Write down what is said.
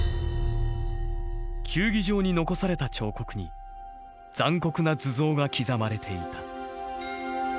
球技場に残された彫刻に残酷な図像が刻まれていた。